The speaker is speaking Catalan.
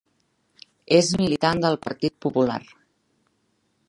És militant del Partit Popular.